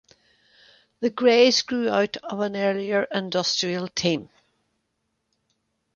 The Grays grew out of an earlier industrial team.